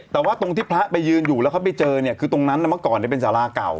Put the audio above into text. แต่ว่าตรงที่พระไปยืนอยู่แล้วเขาไปเจอเนี่ยคือตรงนั้นเมื่อก่อนเป็นสาราเก่า